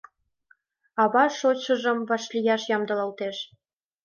Ава шочшыжым вашлияш ямдылалтеш.